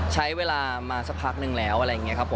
ใช้เวลามาสักพักนึงแล้วอะไรอย่างนี้ครับผม